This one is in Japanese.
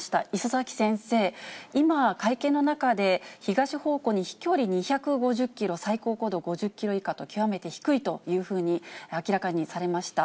礒崎先生、今、会見の中で、東方向に飛距離２５０キロ、最高高度５０キロ以下と、極めて低いというふうに明らかにされました。